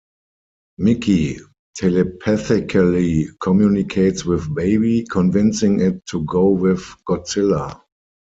Miki telepathically communicates with Baby, convincing it to go with Godzilla.